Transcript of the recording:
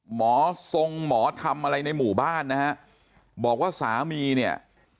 หมอทรงหมอทำอะไรในหมู่บ้านนะฮะบอกว่าสามีเนี่ย